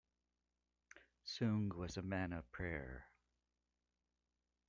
Sung was a man of prayer.